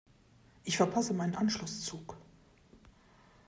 Ich verpasse meinen Anschlusszug.